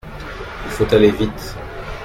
Il faut aller vite.